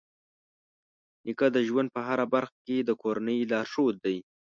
نیکه د ژوند په هره برخه کې د کورنۍ لارښود دی.